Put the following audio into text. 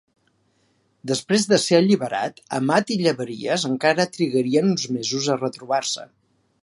Després de ser alliberat, Amat i Llaveries encara trigarien uns mesos a retrobar-se.